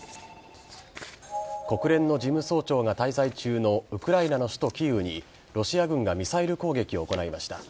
国連の事務総長が滞在中のウクライナの首都・キーウにロシア軍がミサイル攻撃を行いました。